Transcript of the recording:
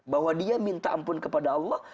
bahwa dia minta ampun kepada allah